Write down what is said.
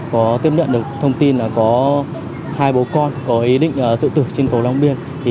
có tiếp nhận được thông tin có hai bố con có ý định tự tử trên cầu long biên